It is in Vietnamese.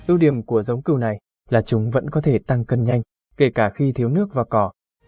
ưu điểm của giống cửu này là chúng vẫn có thể tăng cân nhanh kể cả khi thiếu nước và cỏ